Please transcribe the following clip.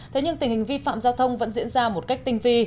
thế nhưng tình hình vi phạm giao thông vẫn diễn ra một cách tinh vi